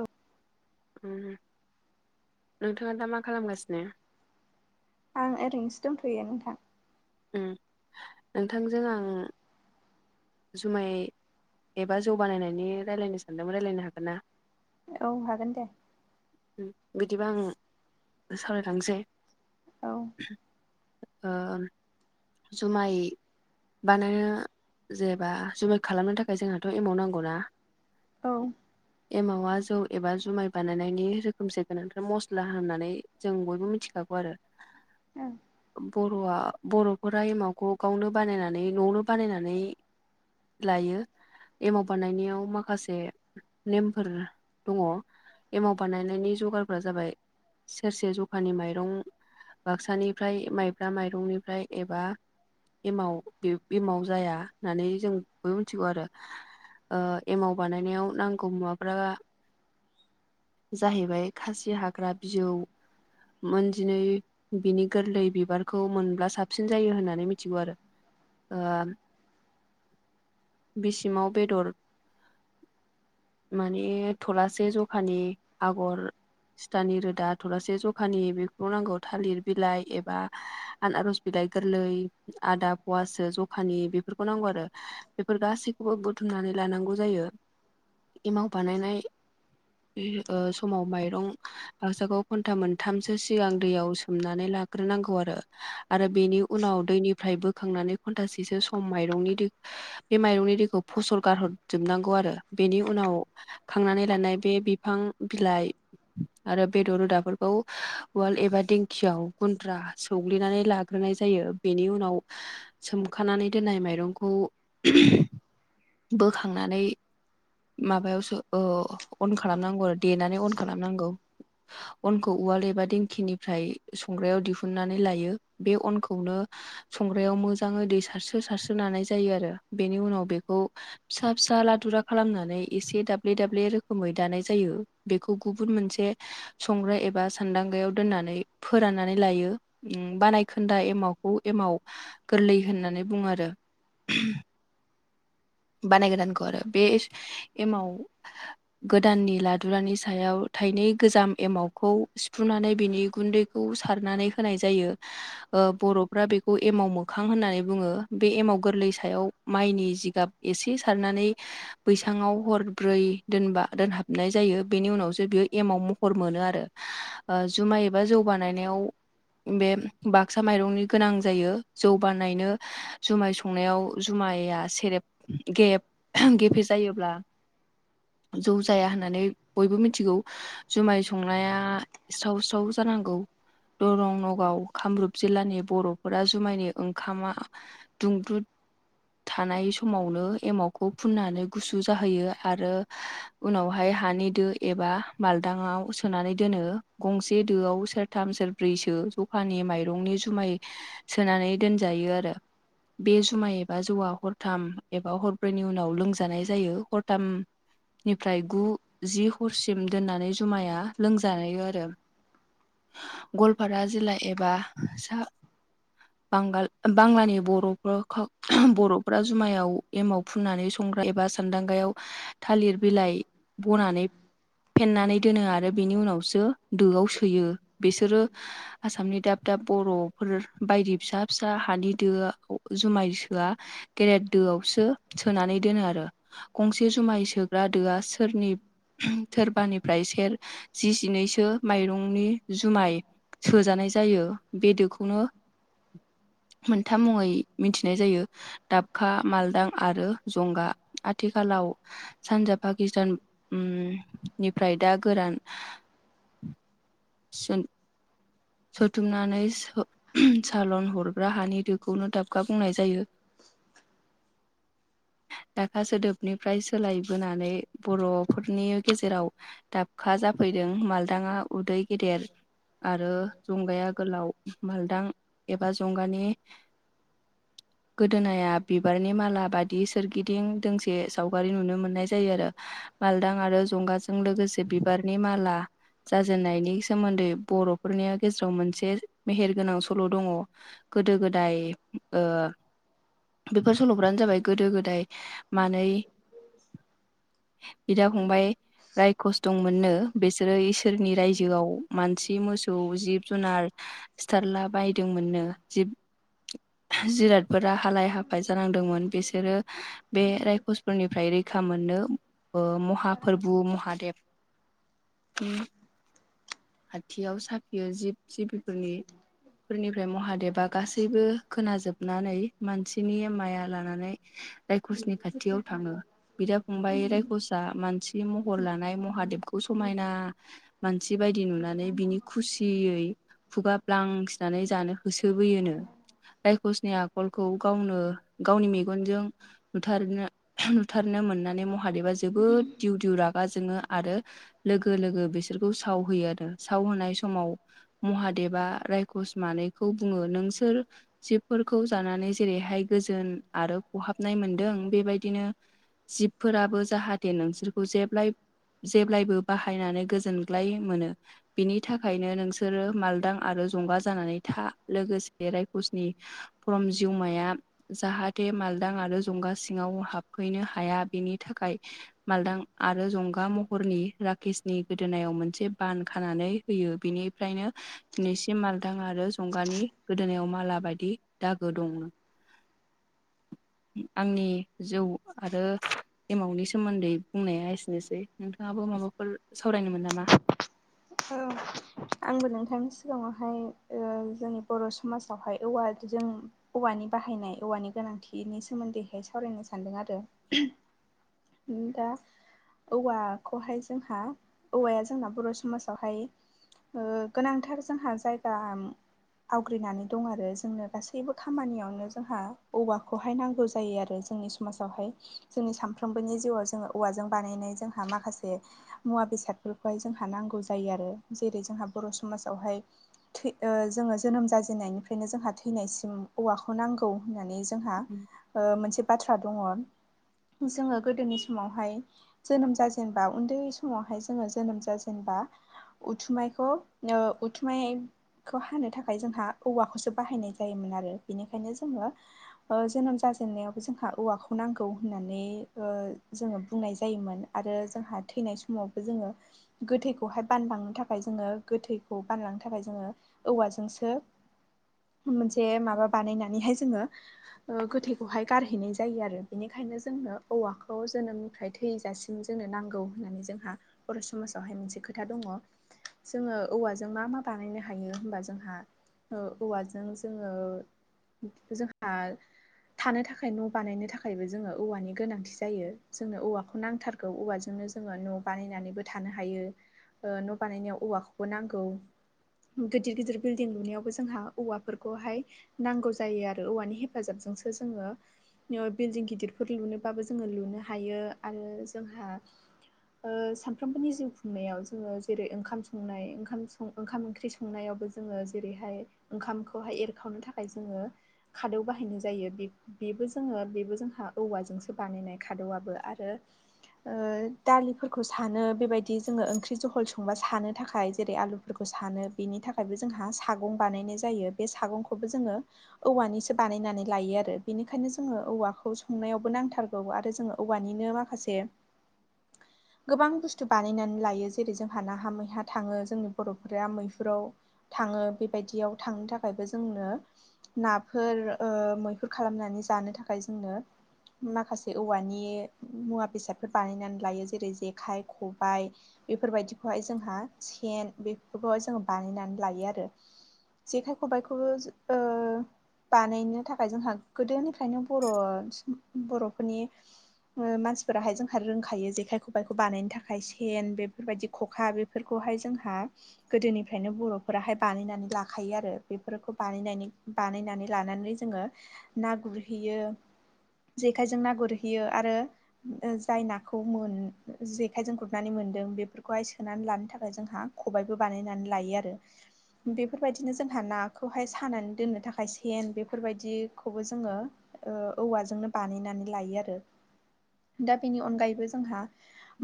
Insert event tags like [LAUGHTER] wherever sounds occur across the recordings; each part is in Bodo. औ। नोंथाङा दा मा खालामगासिनो? आं ओरैनोसो दंथ'यो नोंथां। उम नोंथांजों आं जुमाय एबा जौ बानायनायनि रायलायनो सानदोंमोन रायलायनो हागोनना? औ हागोन दे। बिदिबा आं सावरायलांनोसै। औ ओ जुमाय बानायनो जेनेबा जुमाय खालामनो थाखाय जोंहाथ' एमाउन्ट नांगौना। औ। एमावा जौ एबा जुमाय बानायनायनि रोखोमसे गोनांथार मस्ला होननानै जों बयबो मिथिखागौ आरो। ओं। बर'आ बर'फोरा एमावखौ गावनो बानायनानै न'वावनो बानायनानै लायो। एमाव बानायनायाव माखासे नेमफोर दङ। एमाव बानायनायनि जगारफोरा जाबाय सेरसे जखानि माइरं बाक्सानिफ्राय माइब्रा माइरंनिफ्राय एबा एमाव एमाव जाया होननानै जों बयबो मिथिगौ आरो। ओ एमाव बानायनायाव नांगौ मुवाफोरा जाहैबाय खासि हाग्रा बिजौ मोनजिनै बिनि गोरलै बिबारखौ मोनब्ला साब साबसिन जायो होननानै मिथिगौ आरो। ओ बि सिङाव बेदर माने थलासे जखानि आगर सिथानि रोदा थलासे जखानि बेखौ नांगौ। थालिर बिलाइ एबा आनार'ज बिलाइ गोरलै आदा फवासे जखानि बेफोरखौ नांगौ आरो। बेफोर गासैखौबो बुथुमनानै लानांगौ जायो एमाव बानायनाय समाव माइरं बक्सागाव घन्टा मोनथामसो सिगां दैयाव सोमनानै लाग्रोनांगौ आरो आरो बेनि उनाव दैनिफ्राय बोखांनानै घन्टासेसो सम माइरंनि दै बे माइरंनि दैखौ फसल गारहरजोबनांगौ आरो बेनि उनाव खांनानै लानाय बे बिफां बिलाइ आरो बेदर रोदाफोरखौ उवाल एबा दिंखियाव गुन्द्रा सौग्लिनानै लाग्रोनाय जायो बेनि उनाव सोमखानानै दोननाय माइरंखौ बोखांनानै माबायावसो अन खालामनांगौ आरो देनानै अन खालामनांगौ अनखौ उवाल एबा दिंखिनिफ्राय संग्रायाव दिहुनन्नानै लायो बे अनखौनो संग्रायाव मोजाङै दै सारसो सारस्रोानाय जायो आरो बेनि उनाव बेखौ फिसा फिसा लादुरा खालामनानै एसे दाब्ले दाब्ले रोखोमै दानाय जायो बेखौ गुबुन मोनसे संग्रा एबा सान्दांगायाव दोननानै फोराननानै लायो बानायखोन्दा एमावखौ एमाव गोरलै होननानै बुङो आरो बानाय गोदानखौ‌ बे एमाव गोदाननि लादुरानि सायाव थाइनै गोजाम एमावखौ सिफुनानै बिनि गुन्दै खौ सारनानै होनाय जायो बर'फ्रा बेखौ एमाव मोखां होननानै बुङो बे एमाव गोरलै सायाव माइनि जिगाब एसे सारनानै बैसाङाव हरब्रै दोनबा दोनहाबनाय जायो बेनि उनावसो बियो एमाव महर मोनो आरो जुमाय एबा जौ बानायनायाव बे बाक्सा माइरंनि गोनां जायो जौ बानायनो जुमाय संनायाव जुमाया सेरेब गे गेफे जायोब्ला जौ जाया होननानै बयबो मिथिगौ जुमाय संनाया स्राव स्राव जानांगौ दरं नगाव कामरुप जिल्लानि बर'फोरा जुमायनि ओंखामा दुंब्रु थानाय सम समावनो एमावखौ फुननानै गुसु जाहोयो आरो उनावहाय हानि दो एबा बाल्दांङाव सोनानै दोनो गंसे दोआव सोर थाम सेर ब्रैसो जखानि माइरंनि जुमाय सोनानै दोनजायो आरो बे जुमाय एबा जौवा हर हरथाम एबा हरब्रैनि उनाव लोंजानाय जायो हरथाम निफ्राय गु जि हरसिम दोननानै जुमाया लोंजानाय आरो गवालपारा जिल्ला एबा सा बांगाल बांलानि बर' बर' दख्रा जुमायाव एमाव फुननानै सं एबा सानदांगायाव थालिर बिलाइ बनानै फेनानै दोनो आरो बेनि उनावसो दोआव सोयो बिसोरो आसामनि दाब दाब बरफोर बायदि फिसा फिसा हानि दो जुमाय सोआ गेरेद दोआवसो सोनानै दोनो आरो गंसे जुमाय सोग्रा दोआ सोरनि सोरोरबानिफ्राय सेर जि जिनैसो माइरंनि जुमाय सोजानाय जायो बेदोखौनो मोनथाम मुङै मिथिनाय जायो दाबखा मालदां आरो जंगा आथिखालाव सानजा पाकिस्तान निफ्राय दा गोरान [UNINTELLIGIBLE] सोथुमनानै सालन हरग्रा हानि दोखौनो दाबखा बुंनाय जायो [INAUDIBLE] [INAUDIBLE] दाखा सोदोबनिफ्राय सोलायबोनानै बर'फोरनि गेजेराव दाबखा जाफैदों मालदाङा उदै गेदेर आरो [UNINTELLIGIBLE] गोलाव मालदां एबा जंगानि गोदोनाया बिबारनि माला बादि सोरगिदिं दोंसे सावगारि नुनो मोननाय जायो आरो। मालदां आरो जंगा जों लोगोसे बिबारनि माला जाजेननायनि सोमोन्दै बर'फोरनि गेजेराव मोनसे मेहेर गोनां सल' दङ गोदो गोदाय ओ बेफोर सल'फ्रानो जाबाय गोदो गोदाय मानै बिदा फंबाय रायखस दं मोननो बिसोरो इसोरनि रायजोआव मानसि मोसौ जिब जुनार सिथारला बायदोंमोननो जिब जिरादफोरा हालाय हाफाय जानांदोंमोन बिसोरो बे रायखसफोरनिफ्राय रैखा मोननो ओ महाफोरबो महादेब ओम खाथियाव साफियो जिब-जिबिफोरनि फोरनिफ्राय महादेबा गासैबो खोना जोबनानै मानसिनि माया लानानै रायकसनि खाथियाव थाङो। बिदा फंबाय रायखसा मानसि महर लानाय महादेबखौ समायना मानसि बायदि नुनानै बिनि खुसियै खुगा ब्लां सिनानै जानो होसोबोयोनो। रायखसनि आखलखौ गावनो गावनि मेगनजों नुथारनो नुथारनो मोननानै महादेबा जोबोद दिउ दिउ रागा जोङो आरो लोगो लोगो बिसोरखौ साव होयो आरो साव होनाय समाव महादेबा रायखस मानैखौ बुङो नोंसोर जिबफोरखौ जानानै जेरैहाय गोजोन आरो खहाबनाय मोनदों बेबाय दिनो जिबफोराबो जाहाथे नोंसोरखौ जेब्लाय जेब्लायबो बाहायनानै गोजोनग्लाय मोनो बिनि थाखायनो नोंसो रो मालदां आरो जंगा जानानै था लोगोसे रायखसनि [UNINTELLIGIBLE] जिउमाया जाहाथे मालदां आरो जंगा सिङाव हाबफैनो हाया बेनि थाखाय मालदां आरो जंगा महरनि राकेशनि गोदोनायाव मोनसे बान खानानै होयो बिनिफ्रायनो दिनैसिम मालथां आरो जंगानि गोदोनायाव माला बायदि दागो दङो आंनि जौ आरो एमाउनि सोमोन्दै बुंनाया एसेनोसै नोंथाङाबो माबाफोर सावरायनोमोन नामा? औ आंबो नोंथांनि सिगाङावहाय ओ जोंनि बर' समाजावहाय औवाजों औवानि बाहायनाय औवानि गोनांथिनि सोमोन्दैहाय सावरायनो सानदों आरो। दा औवाखौहाय जोंहा औवाया जोंना बर' स माजावहाय ओ गोनांथार जोंहा जायगा आवग्रिनानै दं आरो जोंनो गासैबो खामानियावनो जोंहा औवाखौहाय नांगौ जायो आरो जोंनि समाजावहाय जोंनि सानफ्रोमबोनि जिउआव जोङो औवाजों बानायनाय जोंहा माखासे मुवा बेसादफोरखौहाय जोंहा नांगौ जायो आरो जेरै जोंहा बर' समाजावहाय थै ओ जोङो जोनोम जाजेननायनिफ्रायनो जोंहा थैनायसिम औवाखौ नांगौ होननानै जोंहा ओ मोनसे बाथ्रा दङ जोङो गोदोनि समावहाय जोनोम जाजेनबा उन्दै समावहाय जोङो जोनोम जाजेनबा उथुमायखौ ओ उथुमाय खौ हानो थाखाय जोंहा औवाखौसो बाहायनाय जायोमोन आरो बिनिखायनो जोङो अ जोनोम जाजेननायावबो जोंहा औवाखौ नांगौ होननानै ओ जोङो बुंनाय जायोमोन। आरो जोंहा थैनाय समावबो जोङो गोथै खौहाय बानलांनो थाखाय जोङो गोथैखौ बानलांनो थाखाय जोङो औवाजोंसो मोनसे माबा बानायनानैहाय जोङो ओ गोथैखौहाय गारहैनाय जायो आरो बेनिखायनो जोंनो औवाखौ जोनोमनिफ्राय थैजासिम जोंनो नांगौ होननानै जोंहा बर' समाजावहाय मोनसे खोथा खोथा दङ जोङो औवाजों मा मा बानायनो हायो होमबा जोंहा ओ औवाजों जोङो जोंहा थानो थाखाय न' बानायनो थाखायबो जोङो औवानि गोनांथि जायो जोंनो औवाखौ नांथार औ औवाजोंनो जोङो न' बानायनानैबो थानो हायो। ओ न' बानायनायाव औवाखौबो नांगौ। गिदिर गिदिर बिल्डिं लुनायावबो जोंहा औवाफोरखौहाय नांगौ जायो आरो औवानि हेफाजाबजोंसो जोङो बिल्डिं गिदिरफोर लुनोबाबो जोङो लुनो हायो आरो जोंहा ओ सानफ्रोमबोनि जिउ खुंनायाव जोङो जेरै ओंखाम संनाय ओंखाम ओंखाम ओंख्रि संनायावबो जोङो जेरैहाय ओंखामखौहाय एरखावनो थाखाय जोङो खादौ बाहायनाय जायो बे बेबो जोङो बेबो जोंहा औवाजोंसो बानायनाय खादौआबो आरो ओ दालिफोरखौ सानो बेबायदि जोङो ओंख्रि ओंख्रि जहल संबा सानो थाखाय जेरै आलुफोरखौ सानो बेनि थाखायबो जोंहा सागं बानायनाय जायो‌। बे सागंखौबो जोङो औवानिसो बानायनानै लायो आरो बेनिखायनो जोङो औवाखौ संनायावबो नांथारगोन औ आरो जोङो औवानिनो माखासे [INAUDIBLE] गोबां बुस्थु बानायनानै लायो जों। जेरै जोंहा नाहा मैहा थाङो जोंनि बर'फोरा मैहुराव थाङो बेबायदियाव थांनो थाखायबो जोंनो नाफोर ओ मैहुर खालामनानै जानो थाखाय जोंनो माखासे औवानि मुवा बेसादफोर बानायनानै लायो जेरै जेखाइ, खबाइ, बेफोरबायदिखौहाय जोंहा सेन बेफोरखौहाय जों बानायनानै लायो आरो। जेखाइ खबाइखौबो ओ बानायनो थाखाय जोंहा गोदोनिफ्रायनो बर' बर'फोरनि मानसिफोराहाय जोंहा रोंखायो जेखाय खबाइखौ बानायनो थाखाय सेन बे बेफोरबायदि खखा बेफोरखौहाय जोंहा गोदोनिफ्रायनो बर'फोराहाय बानायनानै ला खायो आरो बेफोरखौ बानायनानै बानायनानै लानानै जोङो ना गुरहैयो जेखायजों ना गुरहैयो आरो जाय नाखौ मोन जेखायजों गुरनानै मोनदों बे बेफोरखौहाय सोनानै लानो थाखाय जोंहा खबाइबो बानायनानै लायो आरो। बेफोरबायदिनो जोंहा ना खौहाय सानानै दोननो थाखाय सेन बेफोरबायदिखौबो जोङो ओ औवाजोंनो बानायनानै लायो आरो। दा बेनि अनगायैबो जोंहा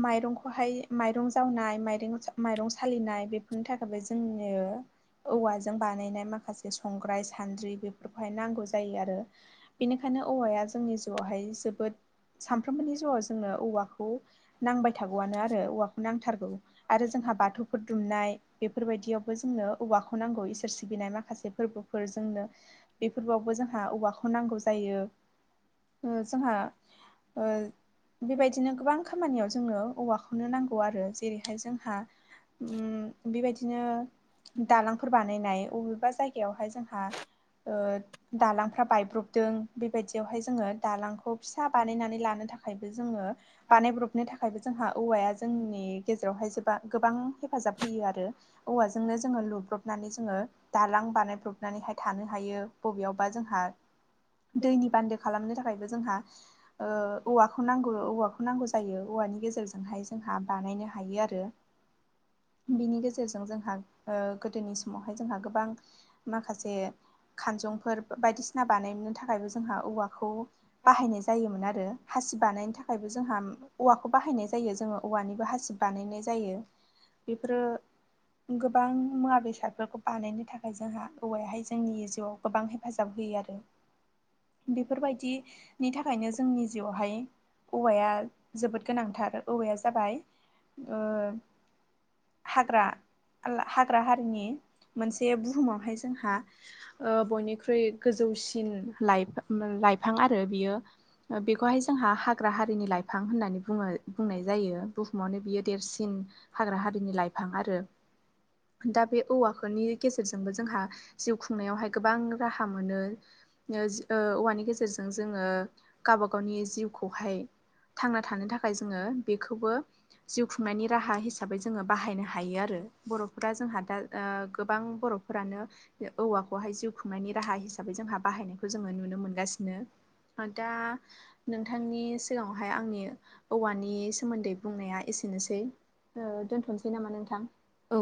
माइरंखौहाय माइरं जावनाय माइ माइरं सालिनाय बेफोरनि थाखायबो जोंनि औवाजों बानायनाय माखासे जे संग्राय, सान्द्रि बेफोरखौहाय नांगौ जायो आरो। बेनिखायनो औवाया जोंनि जिउआवहाय जोबोद सानफ्रोमबोनि जिउआव जोंनो औवाखौ नांबाय थागौआनो आरो औवा नांथारगौ आरो जोंहा बाथौफोर दुमनाय। बेफोरबायदियावबो जोंनो औवाखौ नांगौ इसोर सिबिनाय माखासे फोरबोफोर जोंनो बे फोर्बो आवफो जोंहा औवाखौ नांगौ जायो। ओ जोंहा ओ बेबायदिनो गोबां खामानियाव जोंनो औवाखौनो नांगौ। जेरैहाय जोंहा उम बेबायदिनो दालांफोर बा नायनाय बबेबा जायगायावहाय जोंहा ओ दालांफ्रा बायब्रबदों बेबायदियावहाय जोङो दालांखौ। फिसा बानायनानै लानो थाखायबो जोङो बानायब्रबनो थाखायबो जोंहा औवाया जोंनि गेजेरावहाय जोबा गोबां हेफाजाब होयो आरो। औवाजोंनो जोङो लुब्रबनानै जोङो। दालां बानायब्रबनानैहाय थानो हायो बबेयावबा जोंहा। दैनि बान्दो खालामनो थाखायबो जोंहा ओ औवाखौ नांगौ औवाखौ नांगौ जायो औवानि गेजेरजोंहाय जोंहा बानायनो हायो आरो बिनि गेजेरजों जोंहा ओ गोदोनि समावहाय जोंहा गोबां माखासे खानजंफोर बायदिसिना बानायोमोन थाखायबो जोंहा औवाखौ बाहायनाय जायोमोन आरो हासिब बानायनो थाखाय थाखायबो जोंहा औवाखौ बाहायनाय जायो जोङो औवानिबो हासिब बानायनाय जायो बेफोरो गोबां मुवा बेसादफोरखौ बानायनो थाखाय जोंहा औवायाहाय जोंनि जिउआव गोबां हेफाजाब होयो आरो। बेफोरबायदिनि थाखायनो जोंनि जिउआवहाय औवाया जोबोद गोनांथार औवाया जाबाय ओ हाग्रा हाग्रा हारिनि मोनसे बुहुमावहाय जोंहा। ओ बयनिख्रुइ गोजौसिन लाइ लाइफां आरो बियो। बेखौहाय जोंहा हाग्रा हारिनि लाइफां होननानै बुङो बुंनाय जायो बुहुमावनो बियो देरसिन हाग्रा हारिनि लाइफां आरो। दा बे औवाफोरनि गेजेरजोंबो जोंहा जिउ खुंनायावहाय गोबां राहा मोनो। औवानि गेजेरजों जोङो गावबा गावनि जिउखौहाय थांना थानो थाखाय जोङो बेखौबो जिउ खुंनायनि राहा हिसाबै जोङो बाहायनो हायो आरो बर'फोरा जोंहा दा गोबां बर' फोरानो औवाखौहाय जिउ खुंनायनि राहा हिसाबै जोंहा बाहायनायखौ जोङो नुनो मोनगासिनो। दा नोंथांनि सिगाङावहाय आंनि औवानि सोमोन्दै बुंनाया एसेनोसै, ओ दोन्थ'सै नामा नोंथां? औ